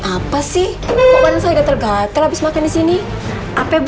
abis ini ya mama rapi rapi dulu di dalam